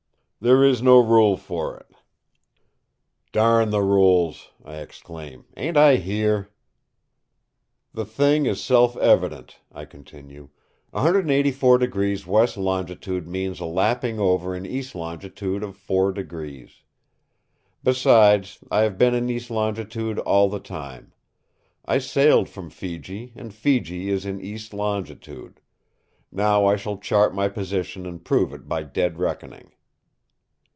"There is no rule for it." "Darn the rules!" I exclaim. "Ain't I here?" "The thing is self evident," I continue. "184° west longitude means a lapping over in east longitude of four degrees. Besides I have been in east longitude all the time. I sailed from Fiji, and Fiji is in east longitude. Now I shall chart my position and prove it by dead reckoning."